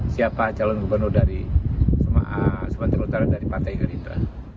siapa calon gubernur dari sumatera utara dari partai gerindra